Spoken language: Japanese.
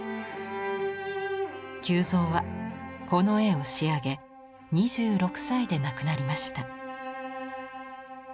久蔵はこの絵を仕上げ２６歳で亡くなりました。